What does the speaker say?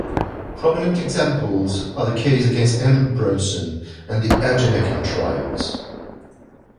Prominent examples are the case against Andrew Brunson and the Ergenekon trials.